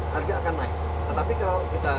harga akan naik tetapi kalau kita